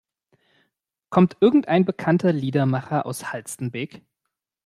Kommt irgendein bekannter Liedermacher aus Halstenbek?